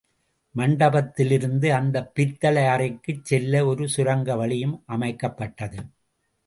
மண்டபத்திலிருந்து அந்தப் பித்தளை அறைக்குச் செல்ல ஒரு சுரங்க வழியும் அமைக்கப்பட்டது.